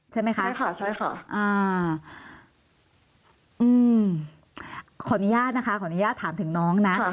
ใช่ไหมคะใช่ค่ะใช่ค่ะอ่าอืมขออนุญาตนะคะขออนุญาตถามถึงน้องนะ